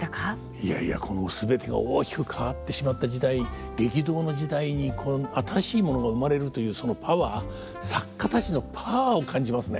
いやいやこの全てが大きく変わってしまった時代激動の時代に新しいものが生まれるというそのパワー作家たちのパワーを感じますね。